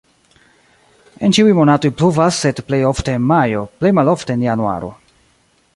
En ĉiuj monatoj pluvas, sed plej ofte en majo, plej malofte en januaro.